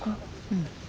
うん。